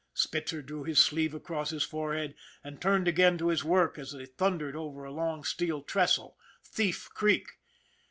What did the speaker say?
Spitzer drew his sleeve across his forehead, and turned again to his work as they thundered over a long steel trestle Thief Creek.